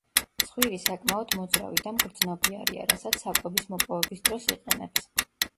ცხვირი საკმაოდ მოძრავი და მგრძნობიარეა, რასაც საკვების მოპოვების დროს იყენებს.